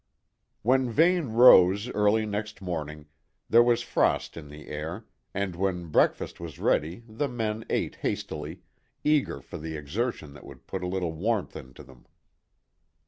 When Vane rose early next morning, there was frost in the air, and when breakfast was ready the men ate hastily, eager for the exertion that would put a little warmth into them.